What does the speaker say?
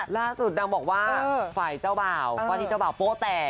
ล่าสุดนางบอกว่าฝ่ายเจ้าบ่าวว่าที่เจ้าบ่าวโป้แตก